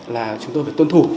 là chúng tôi phải tuân thủ